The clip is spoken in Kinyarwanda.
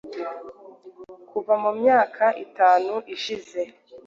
kuva mu myaka itanu ishize